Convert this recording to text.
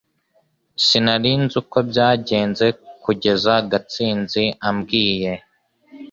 Sinari nzi uko byagenze kugeza Gatsinzi ambwiye